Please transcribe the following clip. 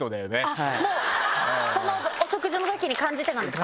もうそのお食事のときに感じてたんですか？